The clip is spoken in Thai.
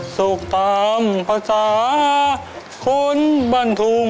สกตามภาษาคนบรรทุ่ม